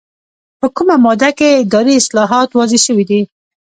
په کومه ماده کې اداري اصلاحات واضح شوي دي؟